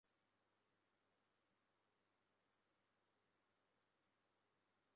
武夷四照花为山茱萸科山茱萸属尖叶四照花的变种。